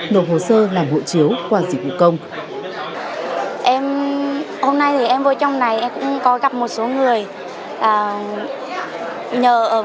nộp hồ sơ làm việc tìm kiếm tìm kiếm tìm kiếm tìm kiếm tìm kiếm tìm kiếm tìm kiếm